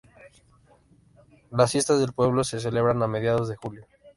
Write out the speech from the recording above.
Las fiestas del pueblo se celebran a mediados de julio.